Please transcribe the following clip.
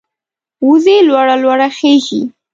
وزې لوړه لوړه خېژي